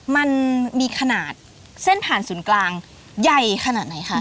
มันมีขนาดเส้นผ่านศูนย์กลางใหญ่ขนาดไหนคะ